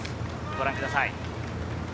ご覧ください。